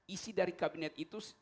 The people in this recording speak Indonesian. isi dari kabinet itu